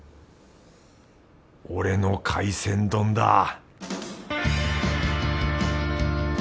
俺の海鮮丼だ！